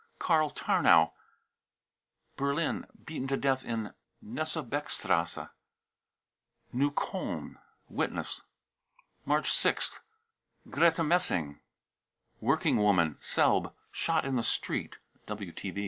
karl tarnow, Berlin, beaten to death in Knesebeckstrasse, Neu kolln. (Witness.) March 6th. grete messing, working woman, Selb, shot in the street.